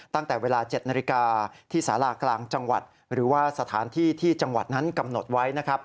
ตั้งแต่เวลา๗นาฬิกาที่สารากลางจังหวัดหรือว่าสถานที่ที่จังหวัดนั้นกำหนดไว้นะครับ